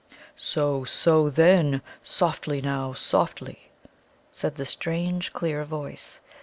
"So, so, then; softly, now, softly!" said the strange clear voice.